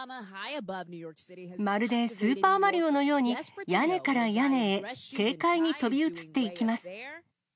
まるでスーパーマリオのように、屋根から屋根へ、軽快に飛び移っていきます。